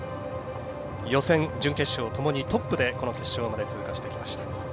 予選、準決勝ともにトップで決勝まで通過してきました。